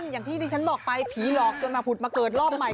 อย่างที่ที่ฉันบอกไปผีหลอกจนมาผุดมาเกิดรอบใหม่